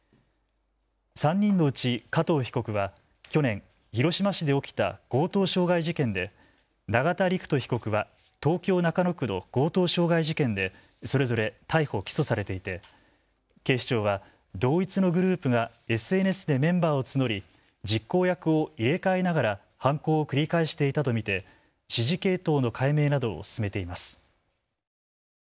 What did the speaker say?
３人のうち加藤被告は去年、広島市で起きた強盗傷害事件で、永田陸人被告は東京中野区の強盗傷害事件でそれぞれ逮捕・起訴されていて警視庁は同一のグループがＳＮＳでメンバーを募り実行役を入れ替えながら犯行を繰り返していたと見て指示系統の解明などを進めています。